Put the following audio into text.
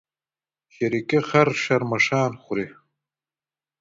شريکي خر شرمښآن خوري.